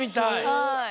はい。